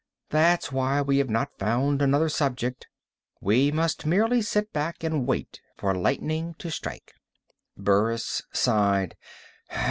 That's why we have not found another subject; we must merely sit back and wait for lightning to strike." Burris sighed.